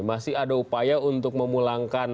masih ada upaya untuk memulangkan